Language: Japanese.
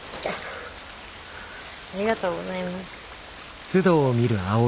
ありがとうございます。